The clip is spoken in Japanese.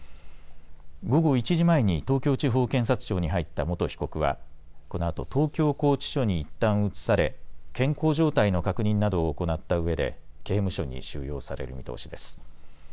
午後１時前に東京地方検察庁に入った元被告は、このあと東京拘置所にいったん移され健康状態の確認などを行ったうえで刑務所に収容される見通しです。